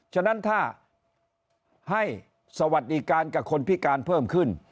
ฉะนั้นถ้าให้สวัสดิการกับคนพิการเพิ่มขึ้น